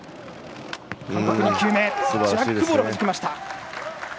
韓国の２球目ジャックボールはじきました。